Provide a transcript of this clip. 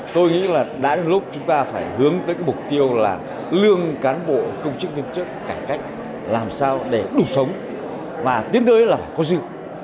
tôi nghĩ là đã đến lúc chúng ta phải hướng tới cái mục tiêu là lương cán bộ công chức viên chức cải cách làm sao để đủ sống và tiến tới là phải có dư